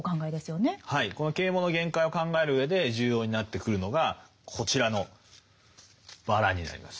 この啓蒙の限界を考える上で重要になってくるのがこちらの「薔薇」になります。